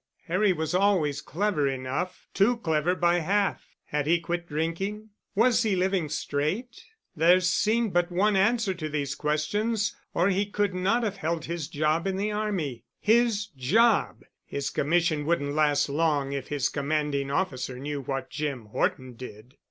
Harry was always clever enough, too clever by half. Had he quit drinking? Was he living straight? There seemed but one answer to these questions, or he could not have held his job in the army. His job! His commission wouldn't last long if his commanding officer knew what Jim Horton did.